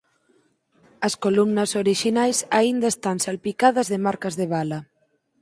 As columnas orixinais aínda están salpicadas de marcas de bala.